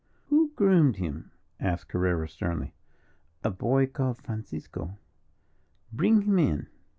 "Who groomed him?" asked Carrera, sternly. "A boy called Francisco." "Bring him in."